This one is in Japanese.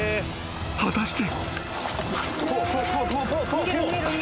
［果たして］